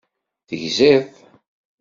Tegziḍ?